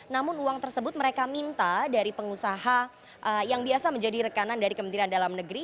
namun uang tersebut mereka minta dari pengusaha yang biasa menjadi rekanan dari kementerian dalam negeri